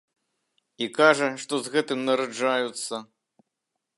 І кажа, што з гэтым нараджаюцца.